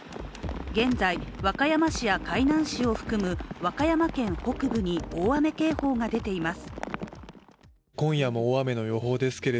現在、和歌山市や海南市を含む和歌山県北部に大雨警報が出ています。